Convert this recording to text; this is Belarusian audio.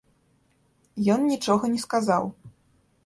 Ён нічога не сказаў.